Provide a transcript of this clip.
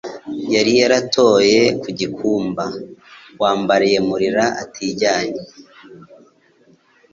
Yari yaratoye ku gikumba Wambariye Murira atijyanye